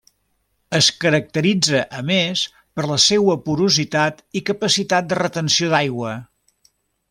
Es caracteritza a més per la seua porositat i capacitat de retenció d'aigua.